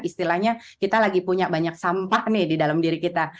istilahnya kita lagi punya banyak sampah nih di dalam diri kita